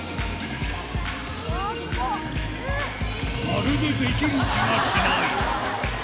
まるで、できる気がしない。